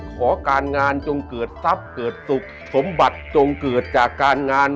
ขอการงานจงเกิดทรัพย์เกิดสุขสมบัติจงเกิดจากการงาน